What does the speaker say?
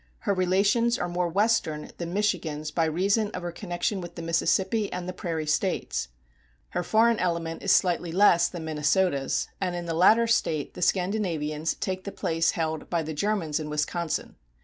Her relations are more Western than Michigan's by reason of her connection with the Mississippi and the prairie States. Her foreign element is slightly less than Minnesota's, and in the latter State the Scandinavians take the place held by the Germans in Wisconsin.